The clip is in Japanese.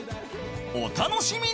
お楽しみに！